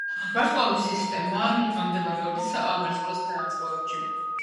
ვარსკვლავური სისტემა მდებარეობს მერწყულის თანავარსკვლავედში.